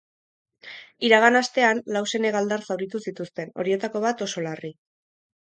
Iragan astean, lau senegaldar zauritu zituzten, horietako bat oso larri.